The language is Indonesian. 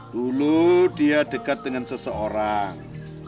dulu dia dekat dengan seseorang